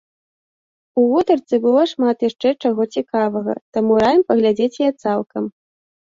У гутарцы было шмат яшчэ чаго цікавага, таму раім паглядзець яе цалкам.